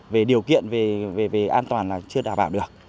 về điều kiện về an toàn là chưa đảm bảo được